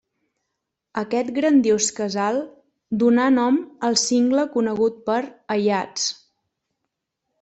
Aquest grandiós casal donà nom al cingle conegut per Aiats.